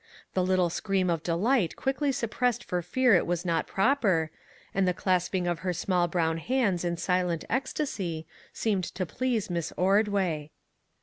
The little scream of delight quickly suppressed for fear it was not proper, and the clasping of her small brown hands in silent ecstasy, seemed to please Miss Ordway.